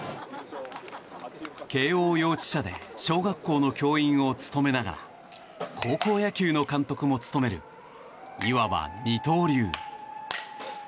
慶應幼稚舎で小学校の教員を務めながら高校野球の監督も務めるいわば、二刀流。